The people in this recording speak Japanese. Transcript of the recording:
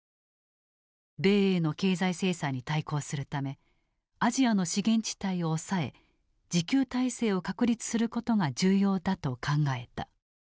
米英の経済制裁に対抗するためアジアの資源地帯を押さえ自給体制を確立することが重要だと考えた。